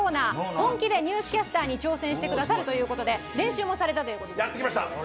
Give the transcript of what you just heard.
本気でニュースキャスターに挑戦してくださるということで練習もされたということですね。